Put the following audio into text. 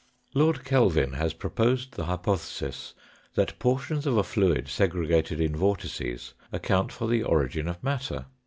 Lord Kelvin has proposed the hypothesis that portions of a fluid segregated in vortices account for the origin of matter.